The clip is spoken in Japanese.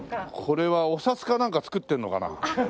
これはお札かなんか作ってるのかな？